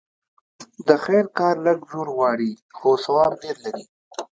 د خير کار لږ زور غواړي؛ خو ثواب ډېر لري.